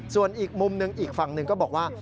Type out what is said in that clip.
ส่วนอีกมุมหนึ่งอีกฝั่งหนึ่งก็บอกว่า